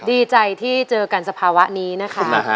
ดีใจที่เจอกันสภาวะนี้นะคะ